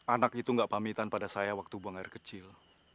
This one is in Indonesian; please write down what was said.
anak itu gak pamitan pada saya waktu buang air kecil